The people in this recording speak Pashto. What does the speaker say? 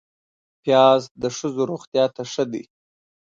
پیاز د ښځو روغتیا ته ښه دی